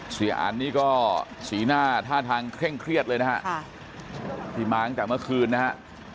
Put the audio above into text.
อันนี่ก็สีหน้าท่าทางเคร่งเครียดเลยนะฮะที่มาตั้งแต่เมื่อคืนนะฮะ